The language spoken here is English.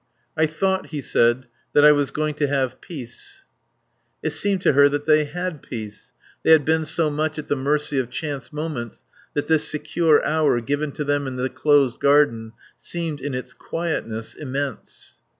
"I thought," he said, "that I was going to have peace...." It seemed to her that they had peace. They had been so much at the mercy of chance moments that this secure hour given to them in the closed garden seemed, in its quietness, immense.